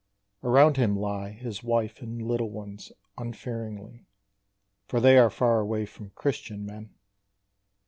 Around him lie His wife and little ones unfearingly For they are far away from "Christian men."